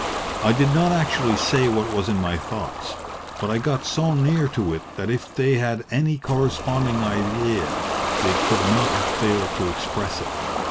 I did not actually say what was in my thoughts, but I got so near to it that if they had any corresponding idea they could not have failed to express it.